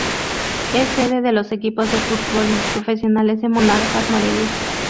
Es sede de los equipos de fútbol profesionales de Monarcas Morelia.